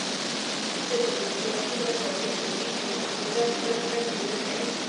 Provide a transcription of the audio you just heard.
სეზონის შუაში მას ორჯერ მეტი ქულა ჰქონდა, ვიდრე მთელ წინა წელს.